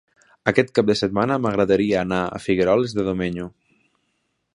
Aquest cap de setmana m'agradaria anar a Figueroles de Domenyo.